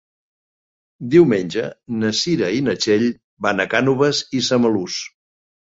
Diumenge na Cira i na Txell van a Cànoves i Samalús.